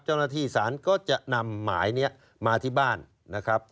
เจ้าหน้าที่ศาลก็จะนำหมายนี้มาที่บ้านนะครับ